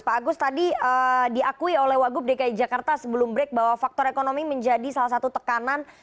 pak agus tadi diakui oleh wagub dki jakarta sebelum break bahwa faktor ekonomi menjadi salah satu tekanan